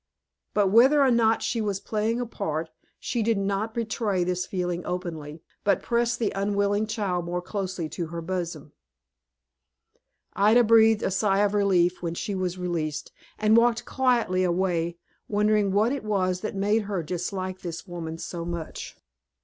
But whether or not she was playing a part, she did not betray this feeling openly, but pressed the unwilling child more closely to her bosom. Ida breathed a sigh of relief when she was released, and walked quietly away, wondering what it was that made her dislike the woman so much.